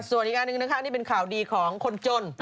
ส่วนอีกอันหนึ่งนะคะนี่เป็นข่าวดีของคนจน